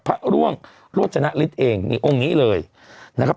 พระร่วงโรจนฤทธิ์เองนี่องค์นี้เลยนะครับ